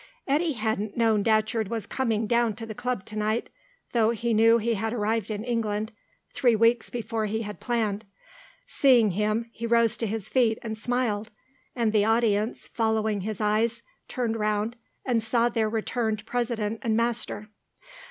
Eddy hadn't known Datcherd was coming down to the Club to night, though he knew he had arrived in England, three weeks before he had planned. Seeing him, he rose to his feet and smiled, and the audience, following his eyes, turned round and saw their returned president and master.